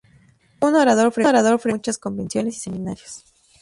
Fue un orador frecuente en muchas convenciones y seminarios.